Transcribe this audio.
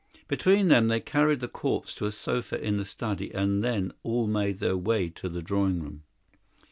Between them they carried the corpse to a sofa in the study, and then all made their way to the drawing room.